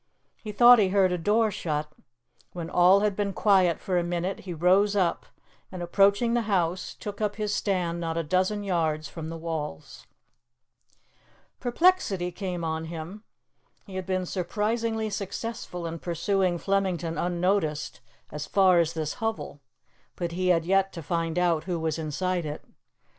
He thought he heard a door shut. When all had been quiet for a minute he rose up, and, approaching the house, took up his stand not a dozen yards from the walls. Perplexity came on him. He had been surprisingly successful in pursuing Flemington unnoticed as far as this hovel, but he had yet to find out who was inside it.